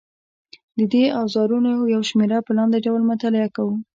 د دې اوزارونو یوه شمېره په لاندې ډول مطالعه کوو.